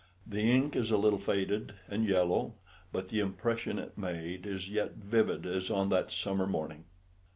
The ink is a little faded and yellow, but the impression it made is yet vivid as on that summer morning.